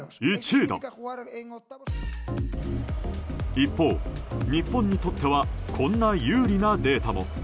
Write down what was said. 一方、日本にとってはこんな有利なデータも。